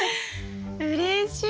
うれしい！